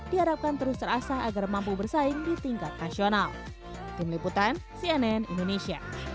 bukan terus terasa agar mampu bersaing di tingkat nasional